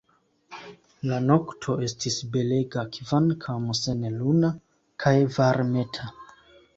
La nokto estis belega, kvankam senluna, kaj varmeta.